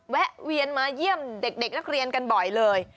แวะเวียนมาเยี่ยมเด็กนักเรียนกันบ่อยเลย